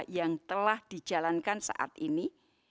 yang telah dijalankan saat ini